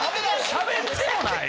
しゃべってもない？